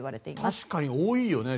確かに多いよね。